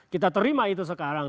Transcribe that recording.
kita terima itu sekarang